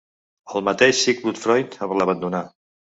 El mateix Sigmund Freud l'abandonà.